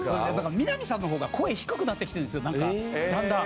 みなみさんの方が声低くなってきてるんですよなんかだんだん。